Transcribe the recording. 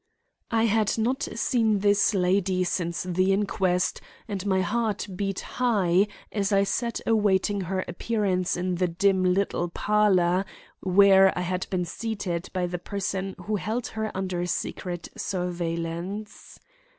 I had not seen this lady since the inquest, and my heart beat high as I sat awaiting her appearance in the dim little parlor where I had been seated by the person who held her under secret surveillance.